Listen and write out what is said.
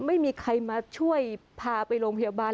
ไม่มีใครมาช่วยพาไปโรงพยาบาล